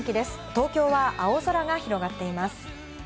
東京は青空が広がっています。